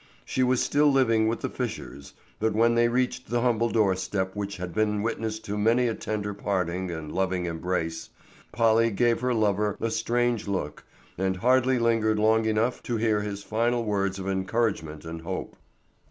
She was still living with the Fishers, but when they reached the humble doorstep which had been witness to many a tender parting and loving embrace, Polly gave her lover a strange look, and hardly lingered long enough to hear his final words of encouragement and hope.